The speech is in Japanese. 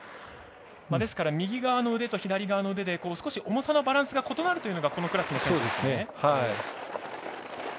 ですから、右側の腕と左側の腕で少し重さのバランスが異なるのがこのクラスの選手です。